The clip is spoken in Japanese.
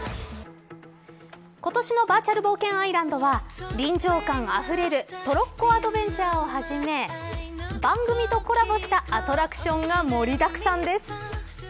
今年のバーチャル冒険アイランドは臨場感あふれるトロッコアドベンチャーをはじめ番組とコラボしたアトラクションが盛りだくさんです。